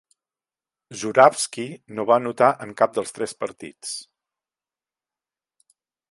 Zurawski no va anotar en cap dels tres partits.